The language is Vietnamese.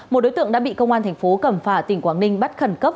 một đối tượng đã bị công an thành phố cẩm phả tỉnh quảng ninh bắt khẩn cấp